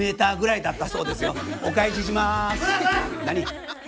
何？